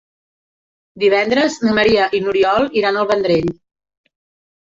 Divendres na Maria i n'Oriol iran al Vendrell.